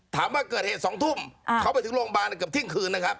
ถามว่าเกิดเหตุ๒ทุ่มเขาไปถึงโรงพยาบาลเกือบเที่ยงคืนนะครับ